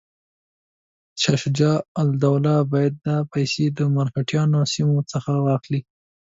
شجاع الدوله باید دا پیسې له مرهټیانو سیمو څخه واخلي.